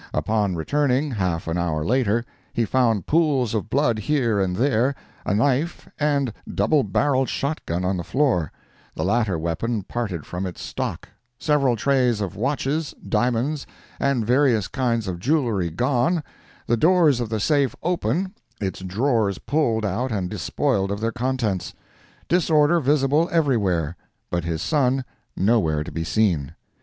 Upon returning, half an hour later, he found pools of blood here and there, a knife and double barrelled shot gun on the floor—the latter weapon parted from its stock—several trays of watches, diamonds and various kinds of jewelry gone, the doors of the safe open, its drawers pulled out and despoiled of their contents—disorder visible everywhere, but his son nowhere to be seen!